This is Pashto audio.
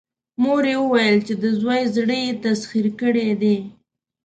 مور يې وويل چې د زوی زړه يې تسخير کړی دی.